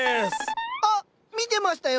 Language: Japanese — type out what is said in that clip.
あっ見てましたよ。